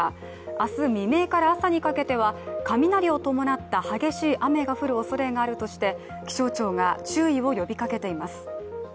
明日未明から朝にかけては、雷を伴った激しい雨が降るおそれがあるとして気象庁が注意を呼びかけています。